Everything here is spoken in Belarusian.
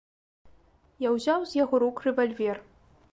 Я ўзяў з яго рук рэвальвер.